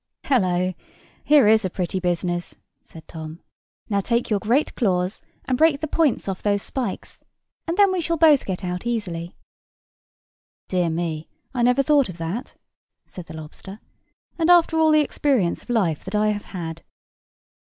"Hullo! here is a pretty business," said Tom. "Now take your great claws, and break the points off those spikes, and then we shall both get out easily." "Dear me, I never thought of that," said the lobster; "and after all the experience of life that I have had!"